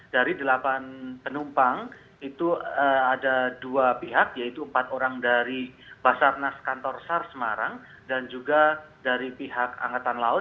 dari delapan penumpang itu ada dua pihak yaitu empat orang dari basarnas kantor sar semarang dan juga dari pihak angkatan laut